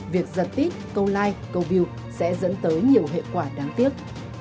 việc giật tít câu like câu view sẽ dẫn tới nhiều hệ quả đáng tiếc